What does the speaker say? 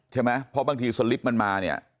เพราะบางทีสลิปมันมาเนี่ย